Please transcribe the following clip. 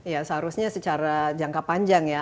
ya seharusnya secara jangka panjang ya